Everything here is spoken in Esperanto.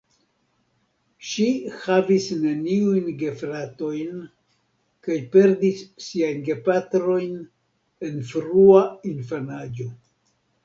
Ŝi havis neniujn gefratojn kaj perdis siajn gepatrojn en frua infanaĝo.